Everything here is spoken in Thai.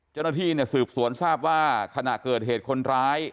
เจ้าหน้าที่เนี่ยสืบสวนทราบว่าขณะเกิดเหตุคนร้าย